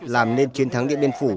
làm nên chiến thắng điện biên phủ